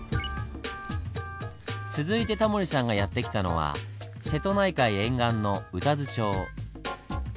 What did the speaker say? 続いてタモリさんがやって来たのは瀬戸内海沿岸の宇多津町。